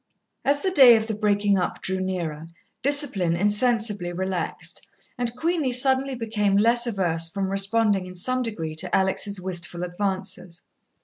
As the day of the breaking up drew nearer, discipline insensibly relaxed, and Queenie suddenly became less averse from responding in some degree to Alex' wistful advances.